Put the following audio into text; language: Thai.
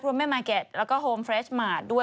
แม่มาร์เก็ตแล้วก็โฮมเฟรชมาร์ทด้วย